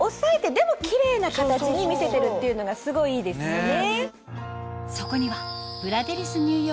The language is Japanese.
でもキレイな形に見せてるっていうのがすごいいいですよね。